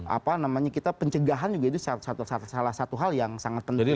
apa namanya kita pencegahan juga itu salah satu hal yang sangat penting